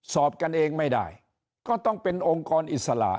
สอบกันเองไม่ได้ก็ต้องเป็นองค์กรอิสระ